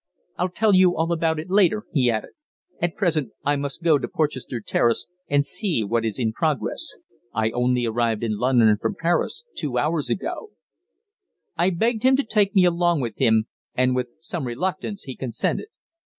I'll tell you all about it later," he added. "At present I must go to Porchester Terrace and see what is in progress. I only arrived in London from Paris two hours ago." I begged him to take me along with him, and with some reluctance he consented.